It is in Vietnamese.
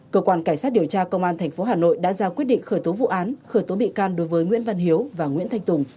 cơ quan cảnh sát điều tra công an tp hà nội đã ra quyết định khởi tố vụ án khởi tố bị can đối với nguyễn văn hiếu và nguyễn thanh tùng